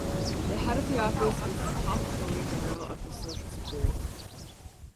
The head of the Office is the Comptroller General of the Social Security.